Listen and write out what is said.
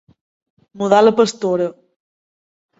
Mudar la Pastora.